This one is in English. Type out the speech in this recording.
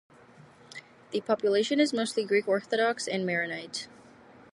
The population is mostly Greek Orthodox and Maronite.